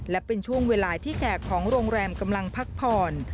และเป็นช่วงเวลาที่แขกของโรงแรมกำลังพักผ่อน